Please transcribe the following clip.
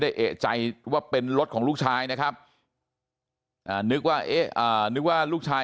เอกใจว่าเป็นรถของลูกชายนะครับนึกว่านึกว่าลูกชาย